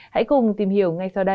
hãy cùng tìm hiểu